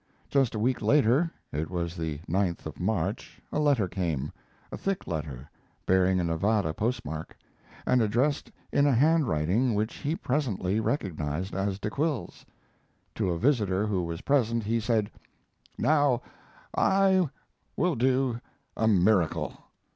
Just a week later, it was the 9th of March, a letter came a thick letter bearing a Nevada postmark, and addressed in a handwriting which he presently recognized as De Quille's. To a visitor who was present he said: "Now I will do a miracle.